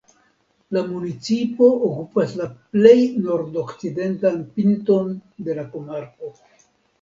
La municipo okupas la plej nordokcidentan pinton de la komarko.